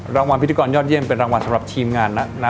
รางวัลพิธีกรยอดเยี่ยมเป็นรางวัลสำหรับทีมงานนะ